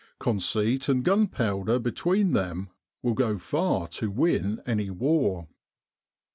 Conceit and gunpowder between them will go far to win any war.